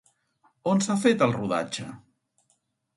On s'ha fet el rodatge?